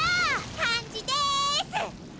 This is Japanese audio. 感じです！